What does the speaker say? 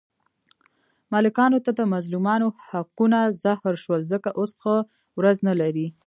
ملکانو ته د مظلومانو حقونه زهر شول، ځکه اوس ښه ورځ نه لري.